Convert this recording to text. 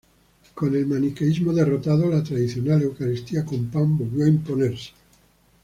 Con el maniqueísmo derrotado, la tradicional eucaristía con pan volvió a imponerse.